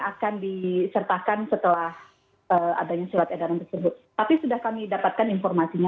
akan disertakan setelah adanya surat edaran tersebut tapi sudah kami dapatkan informasinya